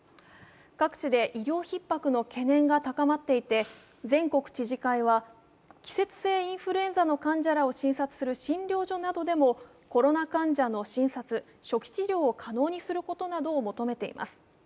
各地で医療ひっ迫の懸念が高まっていて、全国知事会は季節性インフルエンザの患者を診察する診療所などでもコロナ患者の診察、初期治療を可能にすることなどを求めています。